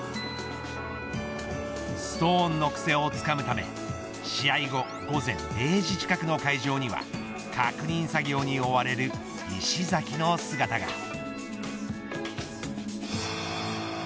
ストーンのくせをつかむため試合後、午前０時近くの会場には確認作業に追われる石崎の姿が。